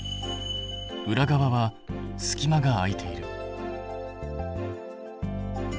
裏側は隙間が空いている。